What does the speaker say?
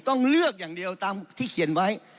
ต้องเลือกอย่างเดียวตามที่เขียนไว้